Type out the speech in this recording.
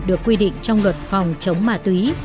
được quy định trong luật phòng chống ma túy